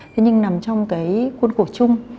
thế nhưng nằm trong cái khuôn khổ chung